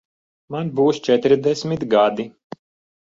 Man būs četrdesmit gadi.